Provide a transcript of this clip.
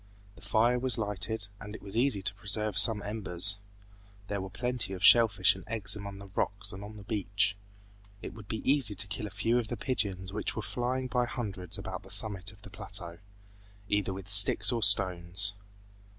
The fire was lighted, and it was easy to preserve some embers. There were plenty of shell fish and eggs among the rocks and on the beach. It would be easy to kill a few of the pigeons which were flying by hundreds about the summit of the plateau, either with sticks or stones.